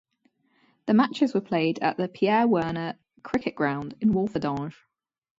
The matches were played at the Pierre Werner Cricket Ground in Walferdange.